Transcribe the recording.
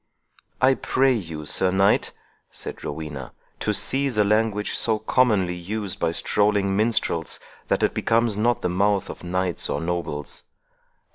"I pray you, Sir Knight," said Rowena, "to cease a language so commonly used by strolling minstrels, that it becomes not the mouth of knights or nobles.